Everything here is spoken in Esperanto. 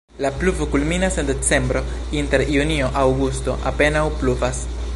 La pluvo kulminas en decembro, inter junio-aŭgusto apenaŭ pluvas.